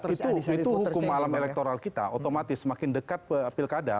itu hukum alam elektoral kita otomatis semakin dekat pilkada